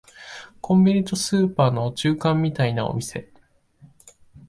コンビニとスーパーの中間みたいなお店